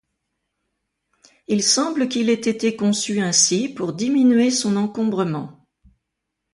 Il semble qu'il ait été conçu ainsi pour diminuer son encombrement.